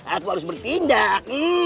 aku harus berpindah